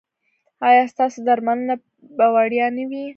ایا ستاسو درملنه به وړیا نه وي؟